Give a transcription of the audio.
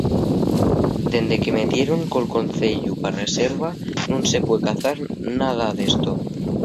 Dende que metieron tol conceyu pa reserva nun se pue cazar nada d'esto.